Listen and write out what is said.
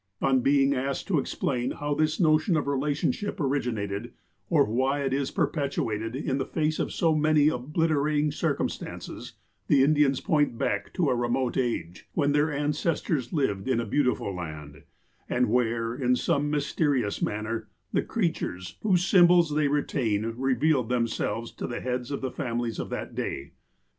On being asked to explain how this notion of relationship originated, or why it is per petuated, in the face of so many obliterating circumstances, the Indians point back to a remote age, when their ancestors lived in a beautiful land ; and where, in some mysterious manner, the creatures, whose symbols they retain, revealed themselves to the heads of the families of that day.